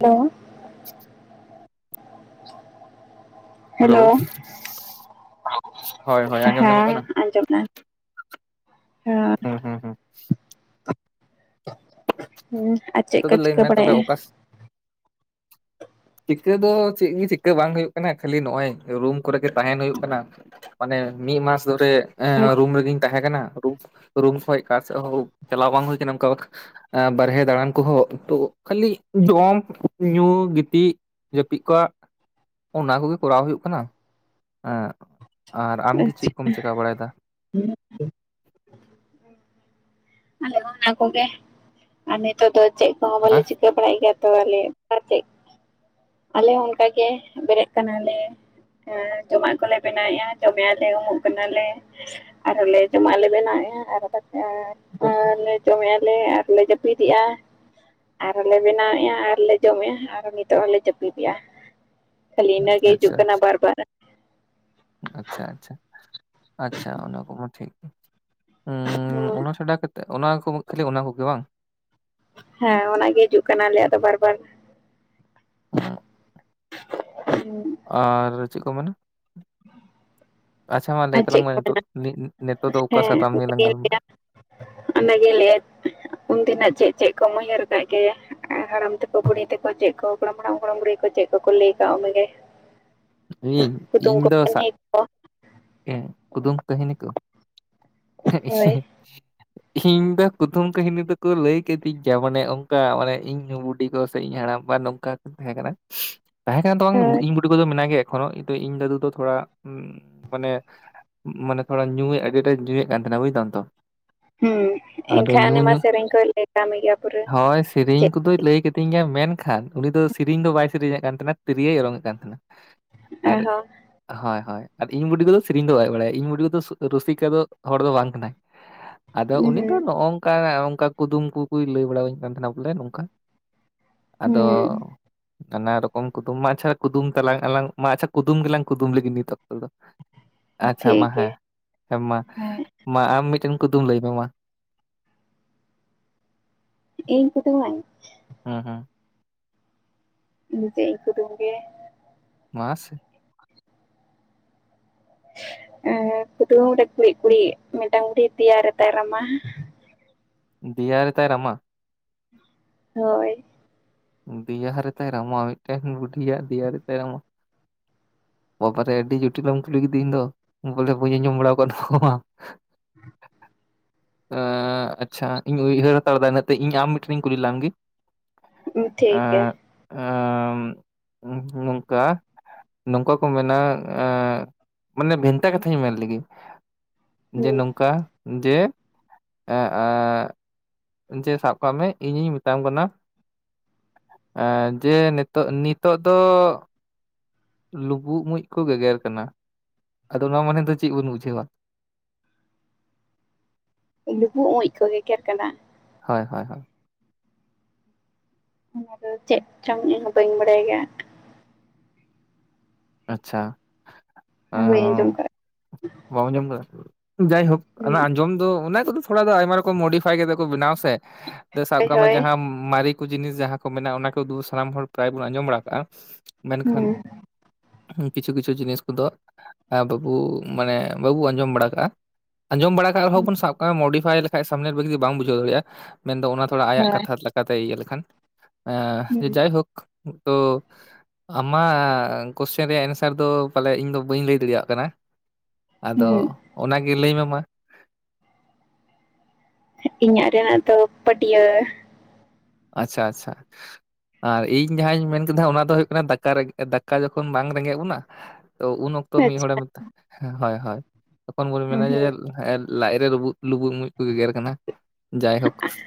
Hello [inaudible] [inaudible] [inaudible] hello ᱦᱳᱭ ᱦᱳᱭ ᱟᱸᱡᱚᱢ ᱧᱟᱢᱚᱜ ᱦᱮᱸ ᱠᱟᱱᱟ᱾ ᱟᱸᱡᱚᱢ ᱱᱟ ᱦᱩᱸ ᱦᱩᱸ ᱦᱩᱸ [unintelligible] ᱪᱮᱫ ᱱᱤᱛᱚᱜ ᱠᱚ ᱫᱚ ᱞᱟᱹᱭ ᱪᱤᱠᱟᱹ ᱢᱮ ᱛᱚᱵᱮ ᱵᱟᱲᱟᱭᱮᱜᱼᱟ᱾ ᱚᱠᱟ ᱪᱤᱠᱟᱹ ᱫᱚ ᱪᱮᱫ ᱜᱮ ᱪᱤᱠᱟᱹ ᱵᱟᱝ ᱦᱩᱭᱩᱜ ᱠᱟᱱᱟ ᱠᱷᱟᱞᱞᱤ ᱱᱚᱜᱼᱚᱭ ᱨᱩᱢ ᱠᱚᱨᱮᱜ ᱛᱟᱦᱮᱱ ᱦᱩᱭᱩᱜ ᱠᱟᱱᱟ᱾ ᱢᱟᱱᱮ ᱢᱤᱫ ᱢᱟᱥ ᱫᱷᱚᱨᱮ ᱨᱩᱢ ᱨᱮᱜᱤᱧ ᱛᱟᱦᱮᱸ ᱠᱟᱱᱟ ᱨᱩᱢ᱾ ᱨᱩᱢ ᱠᱷᱚᱪᱚ ᱟᱸᱠᱟ ᱥᱮᱫ ᱦᱚᱸ ᱪᱟᱞᱟᱣ ᱵᱟᱝ ᱦᱩᱭ ᱟᱠᱟᱱᱟ ᱚᱱᱠᱟ ᱵᱟᱨᱦᱮ ᱫᱟᱬᱟᱱ᱾ ᱠᱚᱦᱚᱜ ᱛᱚ ᱠᱷᱟᱹᱞᱤ ᱡᱚᱢ ᱧᱩ ᱜᱤᱛᱤᱡ ᱡᱟᱹᱯᱤᱫ ᱠᱚᱜ᱾ ᱚᱱᱟ ᱠᱚᱜᱮ ᱠᱚᱨᱟᱣ ᱦᱩᱭᱩᱜ ᱠᱟᱱᱟ ᱮᱸ, ᱟᱨ ᱟᱢᱜᱮ ᱟᱪᱪᱷᱟ ᱪᱮᱫ ᱠᱚᱢ ᱪᱤᱠᱟᱹ ᱵᱟᱲᱟᱭᱮᱫᱟ᱾ ᱟᱞᱮ ᱚᱱᱟ ᱠᱚᱜᱮ ᱟᱨ ᱱᱤᱛᱚᱜ ᱫᱚ ᱪᱮᱫ ᱠᱚᱦᱚᱸ ᱵᱟᱞᱮ ᱟᱪᱪᱷᱟ ᱪᱤᱠᱟᱹ ᱵᱟᱲᱟᱭᱮᱫ ᱜᱮᱭᱟ ᱛᱚ ᱟᱞᱮ ᱪᱮᱫ᱾ ᱟᱞᱮ ᱦᱚᱸ ᱚᱱᱠᱟᱜᱮ ᱵᱮᱨᱮᱫ ᱠᱟᱱᱟᱞᱮ᱾ ᱦᱮᱸ ᱡᱚᱢᱟᱜ ᱠᱚᱞᱮ ᱵᱮᱱᱟᱣᱮᱫᱼᱟ ᱡᱚᱢᱮᱞᱮ ᱩᱢᱚᱜ ᱠᱟᱱᱟᱞᱮ᱾ ᱟᱨ ᱞᱮ ᱡᱚᱢᱟᱜ ᱵᱮᱱᱟᱣ ᱟᱨ [inaudible] ᱟᱨ ᱞᱮ ᱡᱚᱢᱮᱫᱼᱟ ᱞᱮ ᱟᱨᱞᱮ ᱡᱟᱹᱯᱤᱫᱮᱜᱼᱟ᱾ ᱟᱨ ᱞᱮ ᱵᱮᱱᱟᱣᱮᱫᱼᱟ ᱟᱨᱞᱮ ᱡᱚᱢᱮᱫᱼᱟ ᱟᱨ ᱱᱤᱛᱚᱜ ᱦᱚᱸᱞᱮ [inaudible] ᱡᱟᱯᱤᱫᱮᱼᱟ ᱠᱷᱞᱤ ᱤᱱᱟᱹ ᱜᱮ ᱦᱤᱡᱩᱜ ᱟᱪᱪᱷᱟ ᱠᱟᱱᱟ ᱵᱟᱨ ᱵᱟᱨ᱾ ᱟᱪᱪᱷᱟ ᱟᱪᱪᱷᱟ ᱟᱪᱪᱷᱟ ᱚᱱᱟ ᱠᱚᱢᱟ ᱴᱷᱤᱠ ᱩᱸ ᱚᱱᱟ ᱪᱷᱟᱰᱟ ᱠᱟᱛᱮ᱾ ᱚᱱᱟ ᱠᱚ ᱠᱷᱟᱹᱞᱤ ᱚᱱᱟ ᱠᱚᱜᱮ ᱵᱟᱝ᱾ ᱦᱮᱸ ᱚᱱᱟᱜᱮ ᱦᱤᱡᱩᱜ ᱠᱟᱱᱟ ᱟᱞᱮᱭᱟᱜ ᱫᱚ ᱵᱟᱨ ᱵᱟᱨ᱾ ᱩᱸ [unintelligible] ᱟᱨ ᱪᱮᱫ ᱠᱚ ᱢᱮᱱᱟ᱾ [unintelligible] ᱟᱪᱪᱷᱟ ᱢᱟ ᱞᱟᱹᱭ ᱟᱨ ᱛᱟᱞᱟᱝ ᱪᱮᱫ ᱠᱚ ᱢᱮᱱᱟ ᱱᱤᱛᱚᱜ, ᱱᱤᱛᱚᱜ ᱫᱚ ᱚᱠᱟ ᱥᱟᱛᱟᱢ ᱱᱭᱮ ᱞᱟᱝ ᱜᱟᱞᱢᱟᱨᱟᱝᱼᱟ᱾ ᱚᱱᱟᱜᱮ ᱞᱟᱹᱭᱟ ᱩᱱᱫᱤᱱᱟᱜ ᱪᱮᱫ ᱪᱮᱫ ᱠᱚᱢ ᱩᱭᱦᱟᱹᱨ ᱟᱠᱟᱫ ᱜᱮᱭᱟ᱾ ᱦᱟᱲᱟᱢ ᱛᱮᱠᱚ ᱵᱩᱲᱦᱤ ᱛᱮᱠᱚ ᱪᱮᱫ ᱠᱚ ᱜᱚᱲᱟᱢ ᱦᱟᱲᱟᱢ ᱜᱚᱲ ᱵᱩᱲᱦᱤ ᱠᱚ ᱪᱮᱫ ᱠᱚᱠᱚ ᱞᱟᱹᱭ ᱠᱟᱜ ᱢᱮᱜᱮᱭᱟ᱾ ᱤᱧ ᱤᱧ ᱫᱚ ᱥᱟ ᱠᱟᱹᱦᱱᱤ ᱠᱚ ᱮᱸ ᱠᱩᱫᱩᱢ ᱠᱟᱹᱱ ᱠᱚ [inaudible] ᱤᱧ ᱫᱚ ᱠᱩᱫᱷᱩᱢ ᱠᱟᱹᱦᱱᱤ ᱫᱚᱠᱚ ᱞᱟᱹᱭ ᱠᱤᱫᱤᱧ ᱜᱮᱭᱟ ᱢᱟᱱᱮ ᱚᱱᱠᱟ ᱢᱟᱱᱮ ᱤᱧ ᱦᱚᱸ ᱤᱧ ᱵᱩᱰᱦᱤ ᱜᱚ ᱦᱟᱲᱟᱢᱵᱟ ᱱᱚᱝᱠᱟ ᱛᱟᱦᱮᱸ ᱠᱟᱱᱟ ᱛᱟᱹᱦᱮ ᱵᱟᱝ ᱦᱳᱭ ᱤᱧ ᱵᱩᱰᱷᱤ ᱠᱚᱫᱚ ᱢᱮᱱᱟᱭ᱾ ᱮ ᱮᱠᱷᱚᱱᱳ ᱤᱧ ᱫᱟᱫᱩ ᱫᱚ ᱛᱷᱚᱲᱟ ᱢᱟᱱᱮ ᱢᱟᱱᱮ ᱛᱷᱚᱲᱟ ᱧᱩᱭ ᱟᱹᱰᱤ ᱟᱸᱴᱮ ᱧᱩᱭᱮᱫ ᱠᱟᱱᱟᱦᱮᱱᱟ ᱵᱩᱡᱛᱟᱢ ᱛᱚ᱾ ᱦᱩᱸ ᱟᱫᱚ ᱮᱱᱠᱷᱟᱱ ᱧᱩ ᱧᱩ ᱩᱱᱤᱢᱟ ᱥᱮᱨᱮᱧ ᱠᱚ ᱞᱟᱹᱭ ᱵᱟᱲᱟ ᱜᱮᱭᱟ ᱯᱩᱨᱟᱹ᱾ ᱦᱳᱭ ᱥᱮᱨᱮᱧ ᱪᱮᱫ ᱠᱚᱫᱚᱭ ᱞᱟᱹᱭ ᱠᱟᱹᱛᱤᱤᱧ ᱜᱮᱭᱟ ᱢᱮᱱᱠᱷᱟᱱ, ᱩᱱᱤ ᱫᱚ ᱥᱮᱨᱮᱧ ᱫᱚ ᱵᱟᱭ ᱥᱮᱨᱮᱧ ᱮᱮᱫ ᱠᱟᱱ ᱛᱟᱦᱮᱱᱟ ᱛᱤᱨᱭᱳ ᱨᱚᱨᱚᱝ ᱮᱫ ᱠᱟᱱ ᱛᱟᱦᱮᱸᱱᱟ᱾ ᱟᱨ ᱟᱨᱦᱚᱸ ᱦᱳᱭ ᱦᱳᱭ ᱟᱨ ᱤᱧ ᱵᱩᱰᱤᱜᱚᱫᱚ ᱥᱮᱨᱮᱧ ᱫᱚ ᱵᱟᱭ ᱵᱟᱲᱟᱭᱟ ᱤᱧ ᱵᱩᱰᱤᱜᱚᱫᱚ ᱨᱩᱥᱤᱠᱟ ᱫᱚ ᱦᱚᱲ ᱫᱚ ᱵᱟᱝ ᱠᱟᱱᱟᱭ᱾ [inaudible] ᱟᱫᱚ ᱩᱱᱤ ᱫᱚ ᱦᱩᱸ ᱱᱚᱜᱼᱚ ᱱᱚᱝᱠᱟ ᱠᱩᱫᱩᱢ ᱠᱚᱠᱚᱭ ᱞᱟᱹᱭ ᱵᱟᱲᱟᱹᱧ ᱠᱟᱱ ᱛᱟᱦᱮᱱᱟ ᱵᱚᱞᱮ ᱱᱚᱝᱠᱟ᱾ ᱟᱫᱚ ᱦᱩᱸ ᱱᱟᱱᱟ ᱨᱚᱠᱚᱢ ᱠᱩᱫᱩᱢ ᱢᱟ ᱟᱪᱪᱷᱟ ᱠᱩᱫᱩᱢ ᱛᱟᱞᱟᱝ ᱟᱞᱟᱝ᱾ ᱢᱟ ᱟᱪᱪᱷᱟ ᱠᱩᱫᱢ ᱜᱮᱞᱟᱝ ᱠᱩᱫᱩᱢ ᱞᱟᱹᱜᱤᱫ ᱱᱤᱛ ᱚᱠᱛᱚ ᱫᱚ᱾ ᱟᱪᱪᱷᱟ ᱴᱷᱤᱠ ᱢᱟ ᱜᱮᱭᱟ ᱦᱮᱸ ᱦᱮᱸ ᱢᱟ ᱦᱮᱸ ᱢᱟ ᱟᱢ ᱢᱤᱫᱴᱮᱱ ᱠᱩᱫᱩᱢ ᱞᱟᱹᱭ ᱢᱮ ᱢᱟ᱾ ᱤᱧ ᱠᱩᱫᱩᱢ ᱟᱹᱧ ᱦᱮᱸ ᱦᱮᱸ ᱤᱧ ᱫᱚ ᱪᱮᱫ ᱠᱩᱫᱩᱢ ᱜᱮ ᱢᱟ ᱥᱮ ᱮᱸ ᱠᱩᱫᱩ ᱨᱮ ᱠᱩᱲᱤ ᱠᱩᱲᱤ ᱢᱤᱫᱴᱟᱝ ᱰᱟᱝᱨᱤ ᱯᱮᱭᱟ ᱨᱮᱛᱟᱭ ᱨᱟᱢᱟ? ᱫᱤᱭᱟ ᱨᱮᱛᱟᱭ ᱨᱟᱢᱟ᱾ ᱦᱳᱭ ᱫᱮᱤᱭᱟ ᱨᱮᱛᱟᱭ ᱨᱟᱢᱟ ᱢᱤᱫᱴᱮᱱ ᱵᱩᱰᱤᱭᱟᱜ ᱫᱮᱤᱭᱟᱨᱮ ᱛᱟᱭ ᱨᱚᱢᱟ᱾ ᱵᱟᱵᱟᱨᱮ ᱟᱹᱰᱤ ᱡᱚᱴᱤᱞ ᱮᱢ ᱠᱩᱞᱤ ᱠᱤᱫᱤᱧ ᱫᱚ ᱵᱚᱞᱮ ᱵᱟᱹᱧ ᱟᱸᱡᱚᱢ ᱵᱟᱲᱟ ᱟᱠᱟᱣᱫᱟ ᱱᱚᱣᱟ ᱢᱟ᱾ [unintelligible] ᱟᱪᱪᱷᱟ ᱤᱧ ᱩᱭᱦᱟᱹᱨ ᱦᱟᱛᱟᱲ ᱮᱟ ᱤᱱᱟᱹᱜ ᱤᱧ ᱟᱢ ᱢᱤᱫᱴᱷᱮᱱᱤᱧ ᱠᱩᱞᱤ ᱞᱮᱢᱜᱮ? ᱴᱷᱤᱠᱮ ᱾ ᱱᱚᱝᱠᱟ ᱱᱚᱝᱠᱟ, ᱠᱚ ᱢᱮᱱᱟ ᱢᱟᱱᱮ ᱵᱷᱮᱱᱛᱟ ᱠᱟᱛᱷᱟᱧ ᱢᱮᱱ ᱞᱮᱜᱮ ᱡᱮ ᱦᱩᱸ ᱱᱚᱝᱠᱟᱼᱼ ᱡᱮ [unintelligible] ᱡᱮ ᱥᱟᱵ ᱠᱟᱜ ᱢᱮ ᱤᱧᱤᱧ ᱢᱮᱛᱟᱟᱢ ᱠᱟᱱᱟ᱾ ᱡᱮ ᱱᱤᱛᱚᱜ ᱱᱤᱛᱚᱜ ᱫᱚᱼᱼ ᱞᱩᱵᱩᱜ ᱢᱩᱡ ᱠᱚ ᱜᱮᱜᱮᱨ ᱠᱟᱱᱟ ᱟᱫᱚ ᱚᱱᱟ ᱢᱟᱱᱮ ᱫᱚ ᱪᱮᱫ ᱵᱚᱱ ᱵᱩᱡᱷᱟᱹᱣᱟ? ᱞᱩᱵᱩᱜ ᱚᱡ ᱠᱚ ᱜᱮᱜᱮᱨ ᱠᱟᱱᱟ? ᱦᱳᱭ ᱦᱳ ᱦᱳᱭ᱾ ᱚᱱᱟᱫᱚ ᱪᱮᱫ ᱪᱚᱝ ᱤᱧ ᱦᱚᱸ ᱵᱟᱹᱧ ᱵᱟᱲᱟᱭ ᱜᱮᱭᱟ᱾ ᱟᱪᱪᱷᱟ᱾ ᱦᱟᱹᱭᱧ ᱚᱸ ᱡᱚᱢ, ᱵᱟᱢ ᱟᱸᱡᱚᱢ ᱠᱟᱫᱟ ᱡᱟᱭᱦᱳᱠ ᱦᱩᱸ ᱚᱱᱟ ᱟᱸᱡᱚᱢ ᱫᱚ ᱚᱱᱟ ᱠᱚᱫᱚ᱾ ᱚᱱᱟᱫᱚ ᱟᱭᱢᱟ ᱨᱚᱠᱚᱢ ᱢᱳᱰᱤᱯᱷᱟᱭ ᱠᱟ ᱠᱚ ᱵᱮᱱᱟᱣ ᱥᱮ ᱥᱟᱵ ᱦᱳᱭ ᱠᱟᱜ ᱢᱮ ᱦᱳᱭ ᱡᱟᱦᱟᱸ ᱢᱟᱨᱮ ᱠᱚ ᱡᱤᱱᱤᱥ ᱡᱟᱦᱟᱸ ᱠᱚ ᱢᱮᱱᱟᱜᱼᱟ ᱚᱱᱟ ᱠᱚ ᱥᱟᱱᱟᱢ ᱦᱚᱲ ᱯᱨᱟᱭ ᱵᱚᱱ ᱟᱸᱡᱚᱢ ᱵᱟᱲᱟ ᱠᱟᱜᱼᱟ ᱢᱮᱱᱠᱷᱟᱱᱼᱼ ᱦᱩᱸ ᱠᱤᱪᱷᱩ ᱠᱤᱪᱷᱩ ᱡᱤᱱᱤᱥ ᱠᱚᱫᱚ ᱵᱟᱹᱵᱩ᱾ ᱢᱟᱱᱮ ᱵᱟᱵᱚ ᱟᱸᱡᱚᱢ ᱵᱟᱲᱟ ᱠᱟᱜᱼᱟ᱾ ᱟᱸᱡᱚᱢ ᱵᱟᱲᱟ ᱟᱠᱟᱫ ᱨᱮᱦᱚᱸᱚᱱ ᱥᱟᱵᱟᱜ ᱢᱚᱰᱤᱯᱷᱟᱭ ᱞᱮᱠᱟᱱ ᱥᱟᱢᱮ ᱵᱟᱢ ᱵᱩᱡᱟᱹ ᱫᱟᱲᱮᱭᱟᱜᱼᱟ᱾ ᱢᱮᱱᱫᱚ ᱚᱱᱟ ᱛᱷᱚᱲᱟ ᱟᱭᱟᱜ ᱦᱳᱭ ᱠᱟᱛᱷᱟ ᱞᱮᱠᱟᱛᱮ ᱤᱭᱟᱹ ᱞᱮᱠᱷᱟᱱ ᱦᱩᱸ ᱡᱟᱭᱦᱳᱠ᱾ ᱛᱚ ᱟᱢᱟᱜ ᱠᱚᱥᱪᱮᱱ ᱨᱮᱭᱟᱜ ᱮᱱᱥᱟᱨ ᱫᱚ ᱯᱟᱞᱮ ᱤᱧ ᱫᱚ ᱵᱟᱹᱧ ᱞᱟᱹᱭ ᱫᱟᱲᱮᱭᱟᱜ ᱠᱟᱱᱟ᱾ ᱟᱫᱚ ᱦᱩᱸ ᱚᱱᱟᱜᱮ ᱞᱟᱹᱭ ᱢᱮ ᱢᱟ᱾ ᱤᱧᱟᱹᱜ ᱨᱮᱱᱟᱜ ᱫᱚ ᱯᱟᱹᱴᱭᱟᱹ᱾ ᱟᱪᱪᱷᱟ ᱟᱪᱪᱷᱟ᱾ ᱟᱨ ᱤᱧ ᱡᱟᱦᱟᱸᱧ ᱢᱮᱱ ᱠᱮᱫᱟ ᱚᱱᱟ ᱫᱚᱳᱭᱜ ᱠᱟᱱᱟ ᱫᱟᱠᱟ ᱨᱮᱮᱡ ᱫᱟᱠᱟ ᱡᱚᱠᱷᱚᱱ ᱵᱟᱝ ᱨᱮᱸᱜᱮᱡ ᱵᱚᱱᱟ ᱾ ᱛᱚ ᱩᱱ ᱚᱠᱛᱚ ᱢᱤᱫ ᱦᱚᱲᱮ ᱟᱪᱪᱷᱟ ᱢᱮ ᱦᱳᱭ ᱦᱳᱭ ᱛᱚᱠᱷᱚᱱ ᱵᱚᱱ ᱢᱮᱱᱟ ᱡᱮᱼᱼ ᱦᱩᱸ ᱦᱸ ᱞᱟᱡ ᱨᱮ ᱞᱩᱵᱩᱜ ᱞᱩᱵᱩᱜ ᱢᱩᱡ ᱠᱚ ᱜᱮᱜᱮᱨ ᱠᱟᱱᱟ ᱡᱟᱭᱦᱳᱠ᱾ ᱦᱮᱸ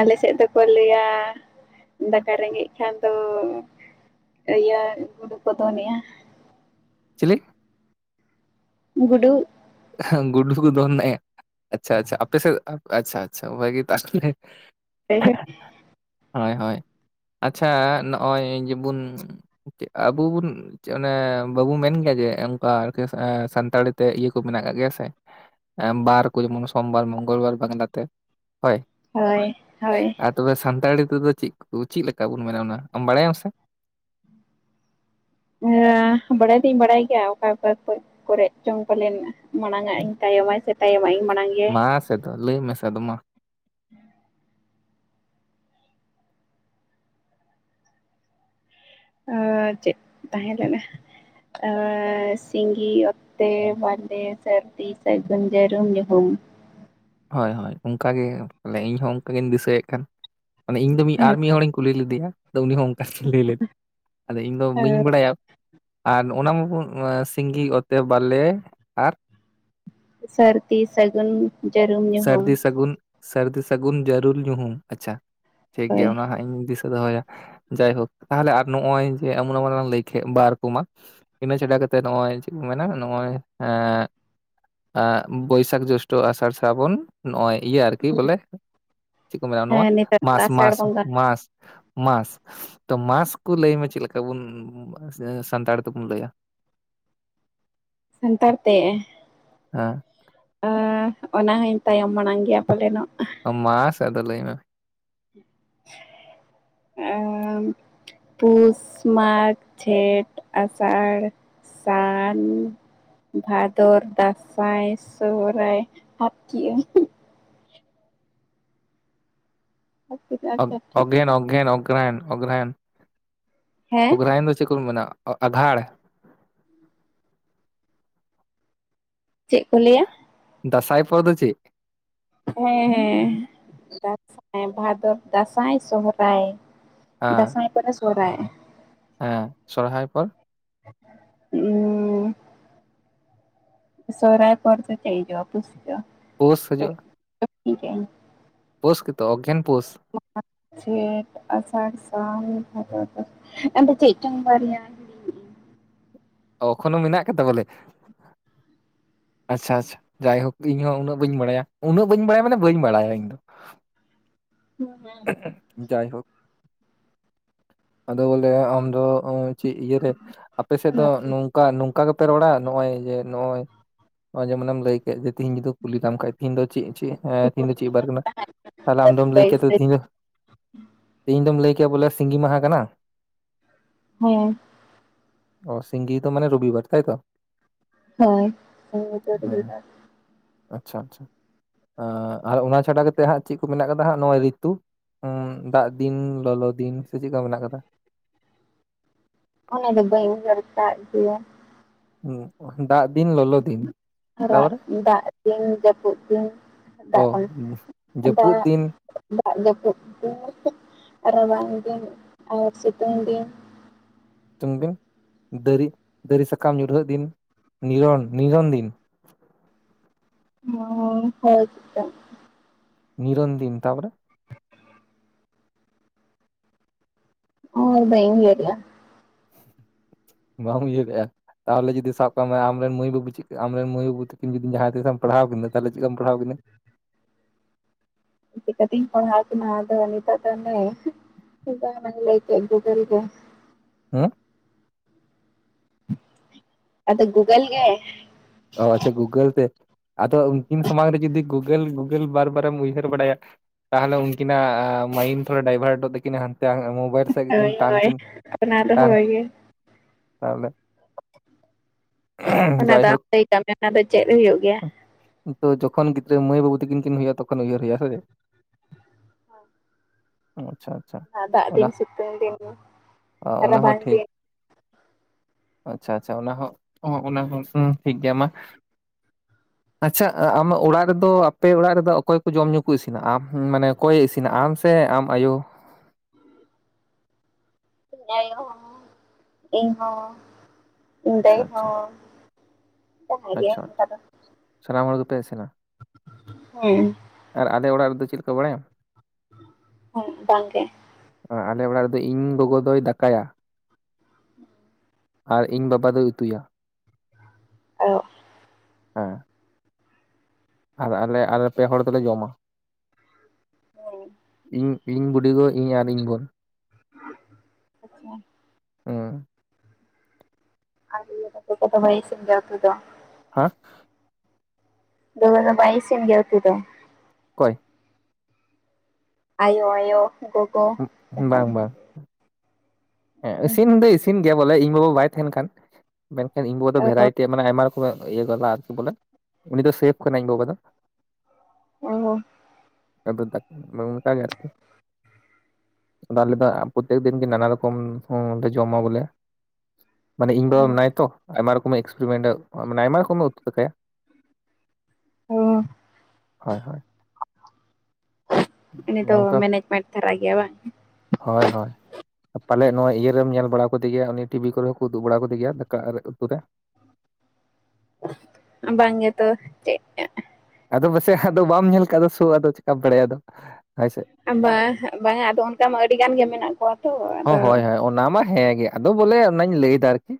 ᱟᱞᱮ ᱥᱮᱫ ᱫᱚᱠᱚ ᱞᱟᱹᱭᱟ ᱫᱟᱠᱟ ᱨᱮᱸᱜᱮᱡ ᱠᱷᱟᱱ ᱫᱚ? ᱤᱭᱟᱹ ᱜᱩᱰᱩ ᱠᱚ ᱫᱚᱱᱮᱜᱼᱟ᱾ ᱪᱤᱞᱤ ᱜᱩᱰᱩ ᱜᱩᱰᱩ ᱠᱚ ᱫᱚᱱ ᱟᱪᱪᱷᱟ ᱟᱪᱪᱷᱟ ᱟᱯᱮ ᱥᱮ ᱟᱪᱪᱷᱟ ᱟᱪᱪᱷᱟ ᱵᱷ ᱜᱮ ᱛᱟᱦᱚᱞᱮ᱾ ᱦᱸ [unintelligible] ᱦᱳᱭ ᱦᱳᱭ ᱟᱪᱪᱷᱟ ᱱᱚᱜᱼᱚᱭ ᱡᱮᱵᱚᱱᱼᱼ ᱟᱵᱚ ᱵᱚᱱ ᱚᱱᱮ ᱵᱟᱵᱚᱱ ᱢᱮᱱ ᱜᱮᱭᱟ ᱡᱮ ᱚᱱᱠᱟᱠᱤ ᱥᱟᱱᱛᱟᱲᱤ ᱛᱮ ᱤᱭᱟᱹᱼᱼ ᱢᱮᱱᱟᱜ ᱠᱟᱜ ᱜᱮᱭᱟ ᱥᱮ ᱵᱟᱨ ᱠᱚ ᱡᱮᱢᱚᱱ ᱥᱚᱢᱵᱟᱨ ᱢᱚᱝᱜᱚᱞ ᱵᱟᱨ ᱵᱟᱝᱞᱟᱛᱮ ᱦᱳᱭ, ᱦᱳᱭ ᱦᱳᱭ ᱟᱨ ᱛᱚᱵᱮ ᱥᱟᱱᱛᱟᱲᱤ ᱛᱮᱫᱚ ᱪᱮᱫ ᱠᱚ ᱪᱮᱫ ᱞᱮᱠᱟ ᱵᱩᱱ ᱢᱮᱱᱟ ᱚᱱᱟ ᱟᱢ ᱵᱟᱲᱟᱭᱟᱢ ᱥᱮ? ᱦᱮ ᱵᱟᱲᱟᱭ ᱫᱤᱧ ᱵᱟᱲᱟᱭ ᱜᱮᱭᱟ ᱚᱠᱟ ᱚᱠᱟ᱾ ᱠᱚᱨᱮ ᱡᱚᱝ ᱯᱟᱞᱮᱱ ᱢᱟᱲᱟᱝᱼᱜ ᱤᱧ ᱛᱟᱭᱚᱢ ᱥᱮ ᱛᱟᱭᱚᱢᱟᱜ ᱤᱧ ᱢᱟᱲᱟᱝ᱾ ᱜᱮ ᱢᱟᱟᱥᱮᱫ ᱞᱟᱹᱭ ᱢᱮᱥᱮ ᱟ ᱫᱚ ᱢᱟ᱾ ᱪᱮᱫ ᱛᱟᱦᱮᱸᱞᱮᱱᱟ ᱥᱤᱸᱜᱤ ᱚᱛᱮ ᱛᱮ ᱵᱟᱞᱮ ᱥᱟᱹᱨᱫᱤ ᱥᱟᱹᱜᱩᱱ ᱡᱟᱹᱨᱩᱢ ᱧᱩᱷᱩᱢ᱾ ᱦᱳᱭ ᱦᱳᱭ ᱚᱱᱠᱟᱟᱜ ᱜᱮ ᱛᱟᱦᱚᱞᱮ ᱤᱧᱦᱚᱸ ᱚᱱᱠᱟᱜᱤᱧ ᱫᱤᱥᱟᱹᱭᱮᱫ ᱠᱟᱱ᱾ ᱢᱟᱱᱮ ᱤᱧ ᱫᱚ ᱢᱤᱫ ᱟᱨ ᱢᱤᱫ ᱦᱚᱲᱤᱧ ᱠᱩᱞᱤ ᱞᱮᱫᱮᱭᱟ ᱟᱫᱚ ᱩᱱᱤ ᱦᱚᱸ ᱚᱱᱠᱟᱧ ᱞᱟᱹᱭ ᱞᱮᱫᱮ ᱟᱫᱚ ᱤᱧ ᱫᱚ ᱵᱟᱹᱧ ᱵᱟᱲᱟᱭᱟ᱾ ᱟᱨ ᱚᱱᱟ ᱢᱟᱵᱚᱱ ᱥᱤᱸᱜᱤ ᱚᱛᱮ ᱵᱟᱞᱮᱼᱼ ᱥᱟᱨᱫᱤ ᱥᱟᱹᱜᱩᱱ ᱡᱟᱹᱨᱩᱢ ᱥᱟᱹᱨᱫᱤ ᱧᱩᱦᱩᱢ ᱥᱟᱹᱜᱩᱱ ᱥᱟᱹᱨᱫᱤ ᱥᱟᱹᱜᱩᱱ ᱡᱟᱹᱨᱩᱢ ᱧᱩᱦᱩᱢ ᱟᱪᱪᱷᱟ ᱴᱷᱤᱠᱜᱮᱭᱟ ᱦᱳᱭ ᱚᱱᱟ ᱦᱟᱸᱜ ᱤᱧ ᱫᱤᱥᱟᱹ ᱫᱚᱦᱚᱭᱟ ᱡᱟᱭᱦᱳᱠ ᱛᱟᱦᱚᱞᱮ ᱟᱨ ᱱᱚᱜᱼᱚᱭ ᱡᱮ ᱮᱢᱚᱱ ᱮᱢᱚᱱ ᱞᱟᱝ ᱞᱟᱹᱭ ᱠᱮᱜ ᱵᱟᱨ ᱠᱚᱢᱟ ᱤᱱᱟᱹ ᱪᱷᱟᱰᱟ ᱠᱟᱛᱮ ᱱᱚᱜᱼᱚᱭ ᱪᱮᱫ ᱠᱚ ᱢᱮᱱᱟ ᱱᱚᱜᱼᱚᱭ ᱮᱸ ᱵᱳᱭᱥᱟᱠ ᱡᱳᱥᱴᱳ ᱟᱥᱟᱨ ᱥᱟᱱ ᱥᱨᱟᱵᱚᱱ ᱱᱚᱜᱼᱚᱭ ᱤᱭᱟᱹ ᱟᱨᱠᱤ ᱵᱚᱞᱮ ᱪᱮᱫ ᱠᱚ ᱢᱮᱱᱟ ᱱᱚᱣᱟ ᱦᱮᱸ ᱱᱮᱛᱟᱨ ᱫᱚ ᱢᱟᱥ ᱟᱥᱟᱲ ᱢᱟᱥ ᱵᱚᱸᱜᱟ ᱢᱟᱥ ᱢᱟᱥ ᱛᱚ ᱢᱟᱥ ᱠᱚ ᱞᱟᱹᱭ ᱢᱮ ᱪᱮᱫᱮᱠᱟ ᱵᱚᱱ ᱥᱟᱱᱛᱟᱲ ᱛᱮᱵᱚᱱ ᱞᱟᱹᱭᱟ ᱥᱟᱱᱛᱟᱲ ᱛᱮ ᱟᱸ ᱚᱸᱻ ᱚᱱᱟ ᱦᱚᱸᱧ ᱛᱟᱭᱚᱢ ᱢᱟᱲᱟᱝ ᱜᱮᱭᱟ ᱯᱟᱞᱮᱱᱚᱜ ᱢᱟ ᱥᱮ ᱟᱫᱚ ᱞᱟᱹᱭ ᱢᱮ ᱮᱸ ᱯᱩᱥ ᱢᱟᱜᱽ ᱡᱷᱮᱸᱴ ᱟᱥᱟᱲ ᱥᱟᱱ ᱵᱷᱟᱫᱚᱨ ᱫᱟᱸᱥᱟᱭ ᱥᱚᱦᱨᱟᱭ ᱟᱛ ᱠᱮ ᱟᱹᱧ ᱚᱜᱷᱮᱱ ᱚᱜᱷᱮᱱ ᱚᱜᱽᱨᱟᱭᱟᱱ ᱚᱜᱽᱨᱟᱭᱟᱱ ᱦᱮᱸ ᱚᱜᱽᱨᱟᱭᱤᱱ ᱫᱚ ᱪᱮᱫ ᱠᱚ ᱢᱮᱱᱟ ᱟᱜᱷᱟᱬ ᱪᱮᱫ ᱠᱚ ᱞᱟᱹᱭᱟ ᱫᱟᱸᱥᱟᱭ ᱯᱚᱨᱮ ᱫᱚ ᱪᱮᱫ ᱦᱮᱸ ᱦᱮᱸ ᱫᱟᱸᱥᱟᱭ ᱵᱷᱟᱫᱚᱨ ᱫᱟᱸᱥᱟᱭ ᱥᱚᱦᱨᱟᱭ ᱦᱮᱸ ᱫᱟᱸᱥᱟᱭ ᱯᱚᱨᱮ ᱥᱚᱦᱚᱨᱟᱭ ᱦᱮᱸ ᱥᱚᱨᱦᱟᱭ ᱯᱚᱨ ᱩᱸᱻ ᱥᱚᱨᱦᱟᱭ ᱯᱚᱨᱛᱮ ᱪᱮᱫ ᱦᱤᱡᱩᱜᱼᱟ ᱯᱩᱥ ᱦᱤᱡᱩᱜᱼᱟ ᱯᱳᱥ ᱦᱤᱡᱩᱜᱼᱟ᱾ [unintelligible] ᱯᱩᱥ ᱜᱮᱛᱚ ᱚᱜᱽᱜᱷᱮᱱ ᱡᱷᱮᱸᱴ ᱟᱥᱟᱲ ᱥᱟᱱ ᱵᱷᱟᱫᱚᱨ ᱫᱟᱸᱥᱟᱭ ᱟᱫᱚ ᱪᱮᱫ ᱪᱚᱝ ᱵᱟᱨᱭᱟ ᱚᱠᱷᱚᱱᱳ ᱢᱮᱱᱟᱜ ᱠᱟᱫᱟ ᱵᱚᱞᱮ ᱟᱪᱪᱷᱟ ᱟᱪᱪᱷᱟ ᱡᱟᱭᱦᱳᱠ ᱤᱧᱦᱚᱸ ᱩᱱᱟᱹᱜ ᱵᱟᱹᱧ ᱵᱟᱲᱟᱭᱟ ᱩᱱᱟᱹᱜ ᱵᱟᱹᱧ ᱵᱟᱲᱟᱭᱟ ᱢᱟᱱᱮ ᱵᱟᱹᱧ ᱵᱟᱲᱟ ᱤᱧ ᱫᱚ ᱦᱮᱸ ᱦᱮᱸ ᱡᱟᱭᱦᱳᱠ ᱟᱫᱚ ᱵᱚᱞᱮ ᱟᱢ ᱫᱚ ᱩᱸᱻ ᱪᱮᱫ ᱤᱭᱟᱹᱨᱮ ᱟᱯᱮ ᱥᱮᱫ ᱫᱚ ᱱᱚ ᱱᱚᱝᱠᱟ ᱱᱚᱝᱠᱟ ᱜᱮᱯᱮ ᱨᱚᱲᱟ ᱱᱚᱜ-ᱚᱭ ᱡᱮ ᱱᱚᱜᱼᱚᱭ ᱡᱮᱢᱮᱢ ᱞᱟᱹᱭ ᱛᱮᱦᱤᱧ ᱡᱩᱫᱤ ᱠᱩᱞᱤᱠᱟᱢ ᱠᱷᱟᱡ ᱛᱮᱦᱮᱧ ᱫᱚ ᱪᱮᱫ ᱪᱮᱫ ᱛᱤᱦᱤᱧ ᱫᱚ ᱪᱮᱫ ᱵᱟᱨ ᱠᱟᱱᱟ ᱛᱟᱦᱞᱮ ᱟᱢ ᱫᱚᱢ ᱞᱟᱹᱭ ᱠᱮᱭᱟ ᱛᱚ ᱵᱟᱹᱭᱥᱟᱹᱠᱷ ᱛᱤᱦᱤᱧ ᱫᱚᱢ ᱞᱟᱹᱭ ᱠᱮᱭᱟ ᱵᱚᱞᱮ ᱥᱤᱸᱜᱤ ᱢᱟᱦᱟ ᱠᱟᱱᱟ ᱦᱮᱸ ᱚ ᱥᱤᱸᱜᱤ ᱫᱚ ᱢᱟᱱᱮ ᱨᱚᱵᱤ ᱵᱟᱨ ᱛᱟᱭ ᱛᱚ ᱦᱳᱭ ᱥᱤᱸᱜᱤ ᱫᱚ ᱦᱩᱸ ᱨᱚᱵᱤᱵᱟᱨ ᱟᱪᱪᱷᱟ ᱟᱪᱪᱷᱟ ᱟᱨ ᱚᱱᱟ ᱪᱷᱟᱰᱟ ᱠᱟᱛᱮᱫ ᱦᱟᱸᱜ ᱪᱮᱫ ᱠᱚ ᱢᱮᱱᱟᱜ ᱠᱟᱫᱟ ᱦᱟᱸᱜ ᱱᱚᱜᱼᱚᱭ ᱨᱤᱛᱩ ᱨᱤᱛᱩ ᱫᱟᱜ ᱫᱤᱱ ᱞᱚᱞᱚ ᱫᱤᱱ ᱥᱮ ᱪᱮᱫ ᱞᱮᱠᱟ ᱢᱮᱱᱟᱜ ᱠᱟᱫᱟ ᱚᱱᱮ ᱫᱚ ᱵᱟᱹᱧ ᱩᱭᱦᱟᱹᱨ ᱠᱟᱜ ᱜᱮᱭᱟ ᱩᱸ ᱫᱟᱜ ᱫᱤᱱ ᱞᱚᱞᱚ ᱫᱤᱱ ᱟᱨᱟᱜ, ᱛᱟᱯᱚᱨᱮ ᱫᱟᱜ ᱫᱤᱱ ᱡᱟᱹᱯᱩᱫ [inaudible] ᱫᱤᱱ ᱟᱫᱚ ᱚ ᱦᱟᱸᱜ ᱡᱟᱹᱯᱩᱫ ᱫᱟᱜ ᱫᱤᱱ ᱡᱟᱹᱯᱩᱫ ᱠᱚ ᱨᱟᱵᱟᱝ ᱫᱤᱱ ᱟᱨ ᱥᱤᱛᱩᱝ ᱫᱤᱱ ᱥᱤᱩᱛᱩᱝ ᱫᱤᱱ ᱫᱟᱹᱨᱤ ᱫᱟᱹᱨᱤ ᱥᱟᱠᱟᱢ ᱧᱩᱨᱦᱟᱹᱜ ᱫᱤᱱ ᱱᱤᱨᱚᱱ ᱱᱤᱨᱚᱱ ᱫᱤᱱ ᱢᱚᱱᱮ ᱦᱳᱭ ᱦᱳᱭ ᱪᱮᱛᱟ ᱱᱤᱨᱚᱱ ᱫᱤᱱ ᱛᱟᱯᱚᱨᱮ ᱚᱭ ᱵᱟᱹᱧ ᱩᱭᱦᱟᱨᱮᱜᱼᱟ ᱵᱟᱢ ᱩᱭᱦᱟᱹᱨᱮᱫᱼᱟ ᱛᱟᱦᱚᱞᱮ ᱡᱫᱤ ᱥᱟᱵ ᱠᱟᱜ ᱢᱮ ᱟᱢ ᱨᱮᱱ ᱢᱟᱹᱭ ᱵᱟᱹᱵᱩ ᱪᱤᱠ ᱟᱢ ᱨᱮᱱ ᱢᱟᱹᱭ ᱵᱟᱹᱵᱩ ᱛᱤᱠᱤᱱ ᱡᱩᱫᱤ ᱡᱟᱦᱟᱸ ᱛᱤᱥᱮᱢ ᱯᱟᱲᱦᱟᱣ ᱠᱤᱱᱟ ᱛᱟᱦᱚᱞᱮ ᱪᱮᱫ ᱞᱮᱠᱟᱢ ᱯᱟᱲᱦᱟᱣ ᱠᱤᱱᱟ, ᱪᱤᱠᱟᱹᱛᱤᱧ ᱯᱟᱲᱦᱟᱣ ᱠᱤᱱᱟ ᱟᱫᱚ ᱱᱤᱛᱚᱜ ᱫᱚ ᱟᱱᱮ ᱞᱟᱹᱭ ᱠᱮᱫ ᱜᱩᱜᱩᱞ ᱜᱮ ᱦᱮᱸ ᱟᱫᱚ ᱜᱳᱜᱚᱞ ᱜᱮᱼ ᱚ ᱟᱪᱪᱷᱟ ᱜᱩᱜᱳᱞ ᱛᱮ ᱟᱫᱚ ᱩᱱᱠᱤᱱ ᱥᱟᱢᱟᱝ ᱨᱮ ᱡᱩᱫᱤ ᱜᱩᱜᱳᱞ ᱜᱩᱜᱳᱞ ᱵᱟᱨ ᱵᱟᱨ ᱮᱢ ᱩᱭᱦᱟᱹᱨ ᱵᱟᱲᱟᱭᱟᱼᱼ ᱛᱟᱦᱚᱞᱮ ᱩᱱᱠᱤᱱᱟᱜ ᱢᱟᱭᱤᱱᱰ ᱛᱷᱚᱲᱟ ᱰᱟᱭᱵᱷᱟᱨᱴᱚᱜ ᱛᱟᱹᱠᱤᱱᱟ ᱦᱟᱱᱛᱮ ᱢᱳᱵᱟᱭᱤᱞ ᱥᱮᱫ ᱜᱮᱠᱤᱱ ᱦᱳᱭ ᱴᱟᱱ ᱦᱳᱭ ᱠᱤᱱ ᱚᱱᱟ ᱫᱚ ᱴᱟᱱ ᱦᱳᱭ ᱜᱮ ᱛᱟᱦᱚᱞᱮ ᱚᱱᱟ ᱫᱚ [unintelligible] ᱟᱢ ᱡᱟᱭᱦᱳᱠ ᱞᱟᱹᱭ ᱠᱟᱜ ᱢᱮ ᱚᱱᱟ ᱫᱚ ᱪᱮᱫ ᱦᱩᱭᱩᱜ ᱜᱮᱭᱟ ᱛᱚ ᱡᱚᱠᱷᱚᱱ ᱜᱤᱫᱽᱨᱟᱹ ᱢᱟᱹᱭ ᱵᱟᱹᱵᱩ ᱛᱟᱠᱤᱱ ᱦᱩᱭᱩᱜᱟ ᱛᱚᱠᱷ ᱩᱭᱦᱟᱹᱨ ᱦᱩᱭᱩᱜ ᱟᱭᱟ ᱥᱮ ᱟᱪᱪᱷᱟ ᱟᱪᱪᱷᱟ ᱫᱟᱜ ᱚᱱᱟ ᱫᱤᱱ ᱥᱤᱛᱩᱤᱱ ᱫᱤᱱ ᱚᱱᱟ ᱦᱚᱸ ᱨᱟᱵᱟᱱ ᱴᱷᱤᱠ ᱫᱤᱱ ᱟᱪᱪᱷᱟ ᱟᱪᱪᱷᱟ ᱚᱱᱟ ᱦᱚᱸ ᱚᱱᱟ ᱦᱚᱸ ᱦᱩᱸ ᱴᱷᱤᱠᱜᱮᱭᱟ ᱢᱟ [inaudible] ᱟᱪᱪᱷᱟ ᱟᱢᱟᱜ ᱚᱲᱟᱜ ᱨᱮᱫᱚ ᱟᱯᱮ ᱚᱲᱟᱜ ᱨᱮᱫᱚ ᱚᱠᱚᱭ ᱠᱚ ᱡᱚᱢ ᱧᱩ ᱠᱚ ᱤᱥᱤᱱᱟᱜ ᱢᱟᱱᱮ? ᱚᱠᱚᱭᱮ ᱤᱥᱤᱱᱟ? ᱟᱢ ᱥᱮ ᱟᱢ ᱟᱭᱳ? ᱤᱧ ᱟᱭᱳ ᱦᱚᱸ ᱤᱧ ᱦᱚᱸ ᱤᱧ ᱫᱟ. ᱭ ᱟᱪᱪᱷᱟ ᱟᱪᱪᱷᱟ ᱦᱚᱸ ᱡᱟᱦᱟᱸᱭ ᱜᱮ ᱟᱪᱪᱷᱟ ᱚᱱᱠᱟ ᱫᱚ ᱥᱟᱱᱟᱢ ᱦᱚᱲ ᱜᱮᱯᱮ ᱤᱥᱤᱱᱟ ᱦᱮᱸ ᱟᱨ ᱟᱞᱮ ᱚᱲᱟᱜ ᱨᱮᱫᱚ ᱪᱮᱫ ᱠᱚ ᱵᱟᱲᱟᱭᱟᱢ ᱦᱸ ᱵᱟᱝ ᱜᱮ ᱟᱞᱮ ᱚᱲᱟᱜ ᱨᱮᱫᱚ ᱤᱧ ᱜᱚᱜᱚ ᱫᱚᱭ ᱫᱟᱠᱟᱭᱟ᱾ ᱟᱨ ᱤᱧ ᱵᱟᱵᱟ ᱫᱚᱭ ᱩᱛᱩᱭᱟ᱾ ᱚ ᱦᱮᱸ ᱟᱨ ᱟᱞᱮ ᱟᱞᱮ ᱯᱮ ᱦᱚᱲ ᱫᱚᱞᱮ ᱡᱚᱢ-ᱟ ᱦᱮᱸ ᱤᱧ ᱤᱧ ᱵᱩᱰᱤᱜᱚ ᱤᱧ ᱟᱨ ᱤᱧ ᱵᱚᱱ ᱚ [unintelligible] ᱦᱩᱸ [inaudible] ᱦᱮᱸ ᱵᱩᱱᱩ ᱫᱚ ᱵᱟᱭ ᱤᱥᱤᱱ ᱜᱮᱭᱟ ᱩᱛᱩᱫᱚ? ᱚᱠᱚᱭ? ᱟᱭᱳ ᱟᱭᱳ ᱜᱚᱜᱚ ᱵᱟᱝ ᱡᱟᱦᱟᱸᱭ ᱫᱚ᱾ ᱵᱟᱝ ᱦᱮᱸ ᱤᱥᱤᱱ ᱫᱚ ᱤᱥᱤᱱ ᱜᱮᱭᱟ ᱵᱚᱞᱮ ᱤᱧ ᱵᱟᱵᱟ ᱵᱟᱭ ᱛᱟᱦᱮᱱ ᱠᱷᱟᱱ, ᱢᱮᱱᱠᱷᱟᱱ ᱤᱧ ᱵᱟᱵᱟ ᱫᱚ ᱵᱷᱮᱨᱟᱭᱴᱤ᱾ ᱢᱟᱱᱮ ᱟᱭᱢᱟ ᱨᱚᱠᱚᱢ ᱤᱭᱟᱹ ᱜᱚᱫᱟ ᱟᱨᱠᱤ ᱵᱚᱞᱮ ᱩᱱᱤ ᱫᱚ ᱥᱮᱯᱷ ᱠᱟᱱᱟᱭ ᱤᱧ ᱵᱟᱵᱟ ᱫᱚ᱾ ᱚᱻ [inaudible] ᱟᱫᱚ ᱟᱞᱮ ᱫᱚ ᱯᱚᱨᱛᱮᱠ ᱫᱤᱱ ᱜᱮ ᱱᱟᱱᱟ ᱨᱚᱠᱚᱢ ᱦᱚᱸ ᱡᱚᱢᱟ ᱵᱚᱞᱮ ᱢᱟᱱᱮ ᱤᱧ ᱵᱟᱵᱟ ᱢᱮᱱᱟᱭ ᱛᱚ ᱟᱭᱢᱟ ᱨᱚᱠᱚᱢ ᱮᱠᱥᱯᱮᱨᱤᱢᱮᱱᱴ ᱢᱟᱱᱮ ᱟᱭᱢᱟ ᱨᱚᱠᱚᱢᱮ ᱮ ᱩᱛᱩ ᱫᱟᱠᱟᱭᱟ ᱦᱳᱭ ᱦᱳᱭ ᱩᱱᱤ ᱫᱚ ᱱᱚᱝᱠᱟ ᱢᱮᱱᱮᱡᱢᱮᱱᱴ ᱫᱷᱟᱨᱟ ᱜᱮᱭᱟ ᱵᱟᱝ᱾ ᱦᱳᱭ ᱦᱳᱭ ᱯᱟᱞᱮ ᱱᱚᱣᱟ ᱤᱭᱟᱹᱟᱹᱨᱮᱢ ᱧᱮᱞ ᱵᱟᱲᱟ ᱟᱠᱟᱫᱮ ᱜᱮᱭᱟ ᱩᱱᱤ ᱴᱤᱵᱷᱤ ᱠᱚᱨᱮ ᱦᱚᱸ ᱠᱚ ᱩᱫᱩᱜ ᱵᱟᱲᱟᱫᱮᱭᱟ ᱫᱟᱠᱟ ᱨᱮ ᱩᱛᱩ ᱨᱮ ᱵᱟᱝᱜᱮ ᱛᱚ ᱪᱮ.. ᱟᱫᱚ ᱯᱟᱥᱮᱡ ᱟᱫᱚ ᱵᱟᱢ ᱧᱮᱞ ᱠᱟᱜ ᱥᱳ ᱟᱫᱚ ᱪᱮᱠᱟᱢ ᱵᱟᱲᱟᱭᱟ ᱟᱫᱚ ᱦᱳᱭᱥᱮ ᱵᱟᱝ, ᱵᱟᱝ ᱟᱫᱚ ᱚᱱᱠᱟ ᱢᱟ ᱟᱹᱰᱤ ᱜᱟᱱ ᱜᱮ ᱢᱮᱱᱟᱜ ᱠᱚᱣᱟ ᱛᱚ ᱚ ᱟᱫᱚ ᱦᱳᱭ ᱦᱳᱭ ᱚᱱᱟ ᱢᱟ ᱦᱮᱸ ᱜᱮ ᱟᱫᱚ ᱵᱚᱞᱮ ᱚᱱᱟᱧ ᱞᱟᱹᱭᱫᱟ ᱟᱨᱠᱤ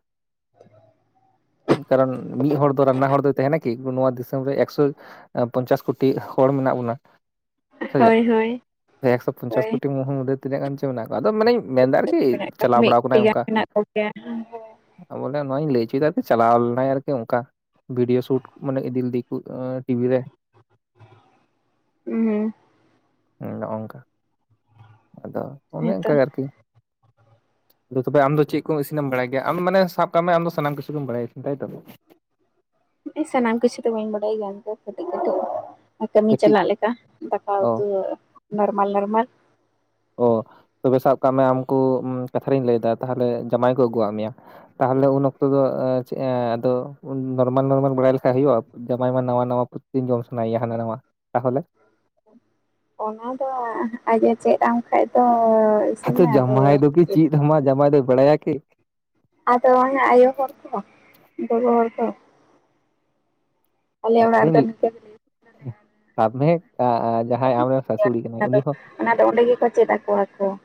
ᱠᱟᱨᱚᱱ ᱢᱤᱫ ᱦᱚᱲ ᱫᱚ ᱨᱟᱱᱱᱟ ᱦᱚᱲ ᱫᱚᱭ ᱛᱟᱦᱮᱱᱟ ᱠᱤᱛᱩ ᱱᱚᱣᱟ ᱫᱤᱥᱚᱢ ᱨᱮ ᱮᱠᱥᱚᱼᱼ ᱯᱚᱧᱪᱟᱥ ᱠᱳᱴᱤ ᱦᱚᱲ ᱢᱮᱱᱟᱜ ᱵᱚᱱᱟ ᱥᱮ ᱦᱳᱭ ᱦᱳᱭ ᱪᱮᱫ ᱮᱠᱥᱚ ᱯᱚᱧᱪᱟᱥ ᱦᱳᱭ ᱠᱳᱴᱤ ᱢᱩ ᱢᱩᱫᱽᱮ ᱛᱤᱱᱟᱹᱜ ᱜᱟᱱ ᱪᱮ ᱢᱮᱱᱟᱜ ᱠᱚᱣᱟ ᱟᱫᱚ ᱢᱟᱱᱮᱧᱼᱼ ᱢᱮᱱᱫᱟ ᱟᱨᱠᱤ ᱢᱮᱱᱟᱜ ᱠᱚᱣᱟ ᱪᱟᱞᱟᱣ ᱵᱟᱲᱟ ᱢᱤᱫᱴᱤ ᱠᱟᱱᱟᱭ ᱜᱟᱱ ᱚᱱᱠᱟ ᱢᱮᱱᱟᱜ ᱠᱚᱜᱮᱭᱟ ᱵᱚᱞᱮ ᱱᱚᱣᱟᱧ ᱞᱟᱹᱭ ᱦᱚᱪᱚᱭᱮᱫᱟ ᱪᱟᱞᱟᱣ ᱞᱮᱱᱟᱭ ᱟᱨᱠᱤ ᱚᱱᱠᱟ ᱵᱷᱤᱰᱭᱳ ᱥᱩᱴ ᱢᱟᱱᱮ ᱤᱫᱤ ᱞᱮᱫ ᱫᱮᱠᱚ ᱴᱤᱵᱷᱤ ᱨᱮ ᱦᱩᱸ [unintelligible] ᱱᱚᱜᱼᱚ ᱱᱚᱝᱠᱟ, ᱟᱫᱚ ᱚᱱᱮ ᱦᱮᱸᱛᱚ ᱚᱱᱠᱟ ᱜᱮ ᱟᱨᱠᱤ ᱾ [inaudible] ᱟᱫᱚ ᱛᱚᱵᱮ ᱟᱢ ᱫᱚ ᱪᱮᱫ ᱠᱚ ᱤᱥᱤᱱᱮᱢ ᱵᱟᱲᱟᱭ ᱜᱮᱭᱟ ᱾ ᱢᱟᱱᱮ ᱥᱟᱵ ᱠᱟᱜ ᱢᱮ ᱟᱢ ᱥᱟᱱᱟᱢ ᱠᱤᱪᱷᱩᱢ ᱵᱟᱲᱟᱭᱟ, ᱛᱟᱭᱛᱚ᱾ ᱤᱧ ᱥᱟᱱᱟᱢ ᱠᱤᱪᱷᱩ ᱫᱚ ᱵᱟᱹᱧ ᱵᱟᱲᱟᱭ ᱜᱮᱭᱟ ᱚᱱᱠᱟ ᱠᱟᱹᱴᱤᱡ ᱠᱟᱹᱴᱤᱡᱼᱼ ᱠᱟᱹᱢᱤ ᱠᱟᱹᱴᱤᱡ ᱪᱟᱞᱟᱜ ᱞᱮᱠᱟ, ᱫᱟᱠᱟ ᱚ ᱩᱛᱩ ᱱᱚᱨᱢᱟᱞ ᱱᱚᱨᱢᱟᱞ ᱾ ᱚ ᱛᱚᱵᱮ ᱥᱟᱵ ᱠᱟᱜ ᱢᱮ ᱟᱢᱠᱩ, ᱠᱟᱛᱷᱟ ᱨᱤᱧ ᱞᱟᱹᱭᱫᱟ ᱛᱟᱦᱚᱞᱮ ᱡᱟᱢᱟᱭ ᱠᱚ ᱟᱹᱜᱩᱣᱟᱜ ᱢᱮᱭᱟ ᱾ ᱛᱟᱦᱚᱞᱮ ᱩᱱ ᱚᱠᱛᱚ ᱫᱚ ᱮᱸᱻ ᱟᱫᱚ ᱱᱚᱨᱢᱟᱞ ᱱᱚᱨᱢᱟᱞ ᱵᱟᱲᱟᱭ ᱞᱮᱠᱷᱟᱱ ᱦᱩᱭᱩᱜᱼᱟ? ᱡᱟᱢᱟᱭ ᱢᱟ ᱱᱟᱣᱟ ᱱᱟᱣᱟ ᱯᱨᱚᱛᱤᱱ ᱡᱚᱢ ᱥᱟᱱᱟᱭᱭᱟ ᱦᱟᱱᱟ ᱱᱟᱣᱟ, ᱛᱟᱦᱚᱞᱮ? ᱚᱱᱟ ᱫᱚ ᱟᱡᱼᱮ ᱪᱮᱫ ᱟᱢ ᱠᱷᱟᱡ ᱫᱚᱼᱼ ᱟᱫᱚ ᱡᱟᱢᱟᱭ ᱫᱚ ᱠᱤ ᱪᱮᱫ ᱟᱢᱟᱭ, ᱡᱟᱢᱟᱭ ᱫᱚᱭ ᱵᱟᱲᱟᱭᱟ ᱠᱤ? ᱟᱫᱚ ᱟᱭᱳ ᱦᱚᱲᱚᱨᱠᱣᱟ [unintelligible] ᱦᱚᱲᱚᱨᱠᱣᱟ [unintelligible] ᱠᱟᱛᱷᱟ ᱚᱲᱟᱜ ᱨᱮᱫᱚ ᱨᱤᱧ ᱱᱤᱝᱠᱟᱹ ᱜᱮᱞᱮ [inaudible] ᱥᱟᱫᱽ ᱢᱮ, ᱟᱻ ᱡᱟᱦᱟᱸᱭ ᱟᱢᱨᱮ ᱥᱟᱥᱩᱲᱤ ᱠᱟᱱᱟᱭ ᱩᱱᱤ ᱤᱥᱤᱱ ᱦᱚᱸᱼᱼ ᱚᱱᱟ ᱫᱚ ᱚᱸᱰᱮ ᱜᱮᱠᱚ ᱪᱮᱫ ᱟᱠᱚᱣᱟ ᱠᱚ ᱾